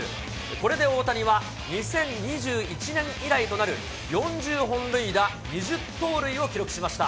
これで大谷は、２０２１年以来となる、４０本塁打２０盗塁を記録しました。